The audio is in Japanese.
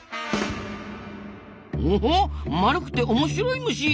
おっ丸くて面白い虫！